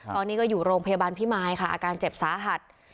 ตอนนี้ก็อยู่โรงพยาบาลพิมายค่ะอาการเจ็บสาหัส